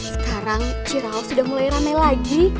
sekarang ciraus sudah mulai ramai lagi